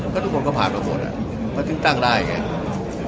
ก็ทุกคนก็ผ่านมาหมดอ่ะก็ถึงตั้งได้อย่างเงี้ย